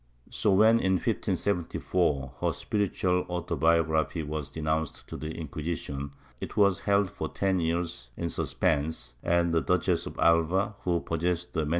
So, when in 1574 her spiritual autobiography was denounced to the Inquisition, it was held for ten years in suspense, and the Duchess of Alva, who possessed a MS.